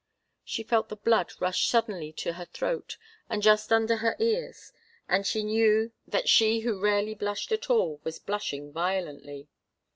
She felt the blood rush suddenly to her throat and just under her ears, and she knew that she who rarely blushed at all was blushing violently.